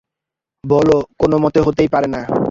বোলো কোনোমতে হতেই পারে না।